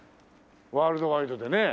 ワールドワイドでね。